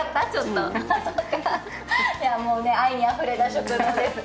愛にあふれた食堂です。